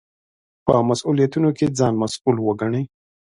په مسوولیتونو کې ځان مسوول وګڼئ.